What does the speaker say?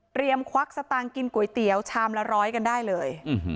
ควักสตางค์กินก๋วยเตี๋ยวชามละร้อยกันได้เลย